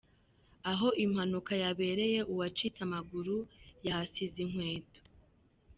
Aho impanuka yabereye, uwacitse amaguru yahasize inkweto.